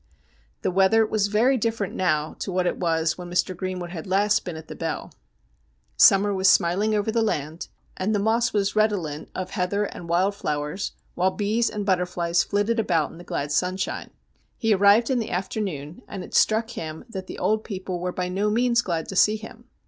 The weather was very different now to what it was when Mr. Greenwood had last been at the Bell. Summer was lSo STORIES WEIRD AND WONDERFUL smiling over the land, and the Moss was redolent of heather and wild flowers, while bees and butterflies flitted about in the glad sunshine. He arrived in the afternoon, and it struck him that the old people were by no means glad to see him.